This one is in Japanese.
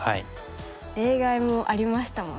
例外もありましたもんね。